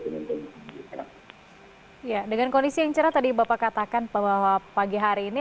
ya dengan kondisi yang cerah tadi bapak katakan bahwa pagi hari ini